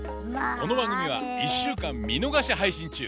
この番組は１週間見逃し配信中！